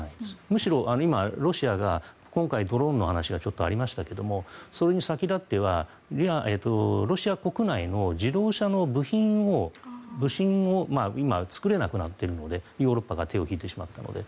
むしろ今、ロシアが今回ドローンの話がちょっとありましたけれどそれに先立ってはロシア国内の自動車の部品を今、作れなくなっているのでヨーロッパが手を引いてしまったので。